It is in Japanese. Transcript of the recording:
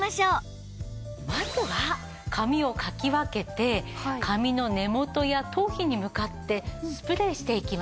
まずは髪をかき分けて髪の根元や頭皮に向かってスプレーしていきます。